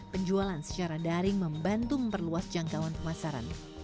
penjualan secara daring membantu memperluas jangkauan pemasaran